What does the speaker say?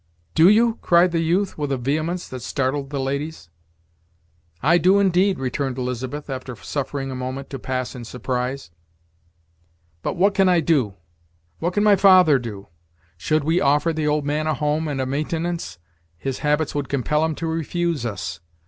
"Do you?" cried the youth, with a vehemence that startled the ladies "I do, indeed," returned Elizabeth, after suffering a moment to pass in surprise; "but what can I do what can my father do? Should we offer the old man a home' and a maintenance, his habits would compel him to refuse us.